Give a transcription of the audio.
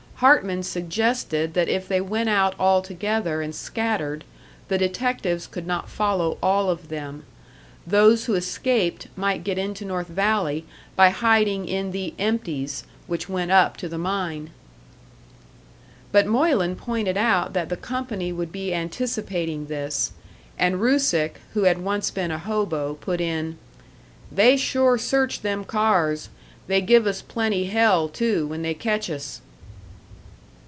Hartman suggested that if they went out all together and scattered, the detectives could not follow all of them. Those who escaped might get into North Valley by hiding in the "empties" which went up to the mine. But Moylan pointed out that the company would be anticipating this; and Rusick, who had once been a hobo, put in: "They sure search them cars. They give us plenty hell, too, when they catch us."